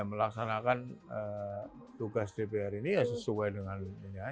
melaksanakan tugas dpr ini ya sesuai dengan ini aja